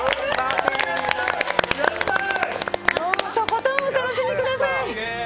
とことんお楽しみください。